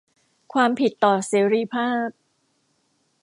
ความผิดต่อเสรีภาพ